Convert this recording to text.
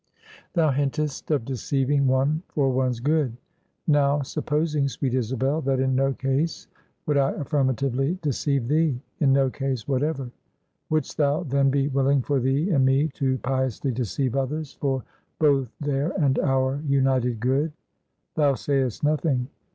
"Thou hintest of deceiving one for one's good. Now supposing, sweet Isabel, that in no case would I affirmatively deceive thee; in no case whatever; would'st thou then be willing for thee and me to piously deceive others, for both their and our united good? Thou sayest nothing.